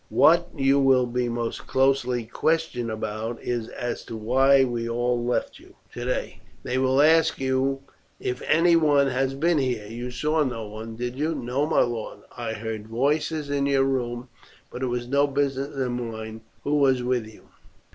What you will be most closely questioned about is as to why we all left you today. They will ask you if any one has been here. You saw no one, did you?" "No, my lord. I heard voices in your room, but it was no business of mine who was with you."